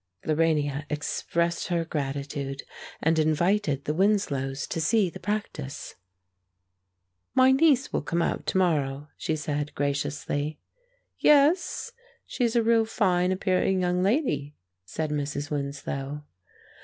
Lorania expressed her gratitude, and invited the Winslows to see the practice. "My niece will come out to morrow," she said, graciously. "Yes? She's a real fine appearing young lady," said Mrs. Winslow.